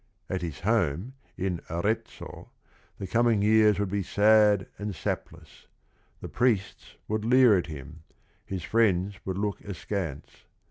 At his home, in Arezzo, the coming years would be "sad and sapless." The priests would leer at him; his friends would look askance.